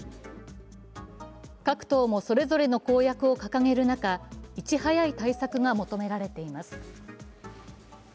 各党もそれぞれの公約を掲げる中、いち早い対策が求められています。